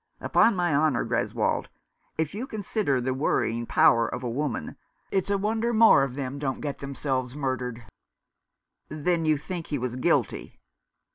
Upon my honour, Greswold, if you consider the worrying power of a woman, it's a wonder more of 'em don't get themselves murdered." " Then you think he was guilty